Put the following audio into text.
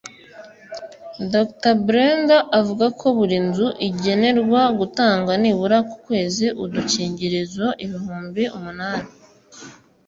Dr Brenda avuga ko buri nzu igenerwa gutanga nibura ku kwezi udukingirizo ibihumbi umunani